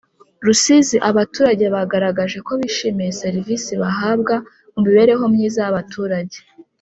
Rusizi abaturage bagaragaje ko bishimiye servisi bahabwa mu mibereho myiza y abaturage